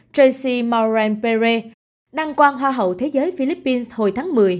tracy moran pere đăng quan hoa hậu thế giới philippines hồi tháng một mươi